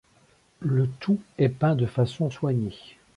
Le tout est peint de façon soignée.